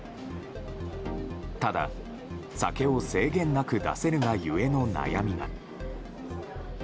ただ、酒を制限なく出せるが故の悩みが。